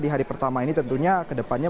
di hari pertama ini tentunya ke depannya